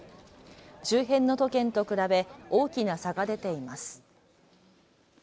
周辺の都県と比べ大きな差が出ています。